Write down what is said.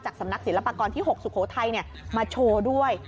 สำนักศิลปากรที่๖สุโขทัยมาโชว์ด้วย